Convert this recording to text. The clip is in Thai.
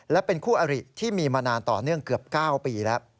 และเป็นคู่อริที่มีมานานต่อเนื่องเกือบ๙ปีแล้ว